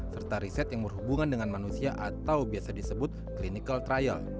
serta riset yang berhubungan dengan manusia atau biasa disebut clinical trial